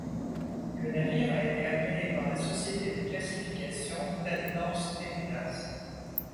Le navire a été agréé par la société de classification Det Norsk Veritas.